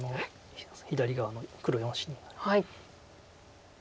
左側の黒４子に。